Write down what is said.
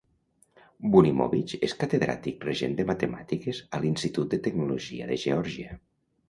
Bunimovich és catedràtic regent de Matemàtiques a l'Institut de Tecnologia de Geòrgia.